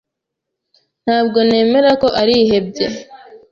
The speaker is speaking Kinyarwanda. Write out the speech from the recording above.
Ntabwo nemera ko arihebye.